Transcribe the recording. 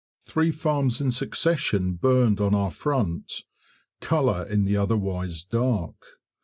Three farms in succession burned on our front colour in the otherwise dark.